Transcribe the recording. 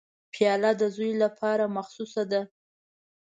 پیاله د زوی لپاره مخصوصه ده.